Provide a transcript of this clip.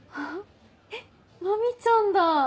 えっ麻美ちゃんだ。